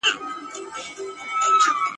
د غوايي تشو رمباړو تښتولی !.